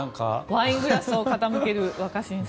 ワイングラスを傾ける若新さん。